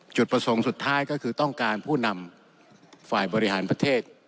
จุดประสงค์สุดท้ายก็คือต้องการผู้นำฝ่ายบริหารประเทศ